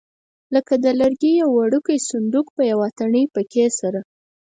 لکه د لرګي یو وړوکی صندوق په یوه تڼۍ پکې سره.